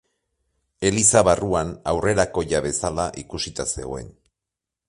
Eliza barruan aurrerakoia bezala ikusita zegoen.